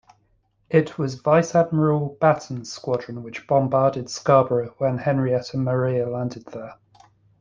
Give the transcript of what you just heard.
It was Vice-Admiral Batten's squadron which bombarded Scarborough when Henrietta Maria landed there.